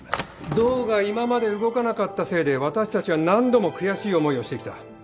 道が今まで動かなかったせいで私たちは何度も悔しい思いをしてきた。